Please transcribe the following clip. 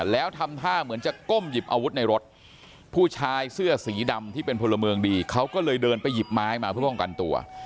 แล้วทำท่าเหมือนจะก้มหยิบอาวุธในรถผู้ชายเสื้อสีดำที่เป็นพลเมืองดีเขาก็เลยเดินไปหยิบไม้มาเพื่อป้องกันตัว